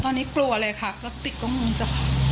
ตอนนี้กลัวเลยค่ะกระติกก็งงจาก